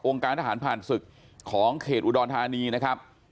การทหารผ่านศึกของเขตอุดรธานีนะครับ